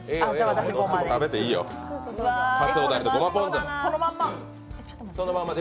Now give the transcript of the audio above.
私、ごまで。